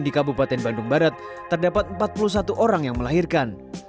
di kabupaten bandung barat terdapat empat puluh satu orang yang melahirkan